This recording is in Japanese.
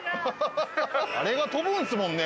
あれが跳ぶんすもんね。